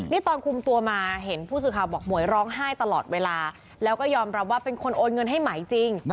นี่ตอนคุมตัวมาเห็นผู้สื่อข่าวบอกหมวยร้องไห้ตลอดเวลาแล้วก็ยอมรับว่าเป็นคนโอนเงินให้ไหมจริง